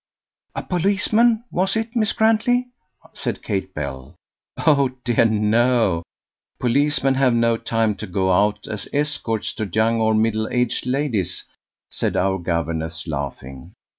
"A policeman, was it, Miss Grantley?" said Kate Bell. "Oh, dear! no. Policemen have no time to go out as escorts to young or middle aged ladies," said our governess laughing.